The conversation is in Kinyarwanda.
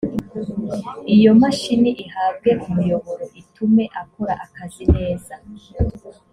iyo mashini ihabwe umuyoboro itume akora akazi neza